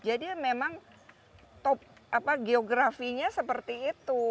jadi memang top geografinya seperti itu